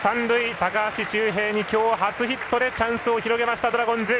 高橋周平、きょう初ヒットでチャンスを広げましたドラゴンズ。